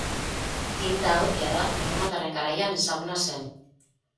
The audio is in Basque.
Tinta hau jada erromatarren garaian ezaguna zen.